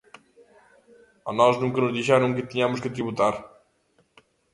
A nós nunca nos dixeron que tiñamos que tributar.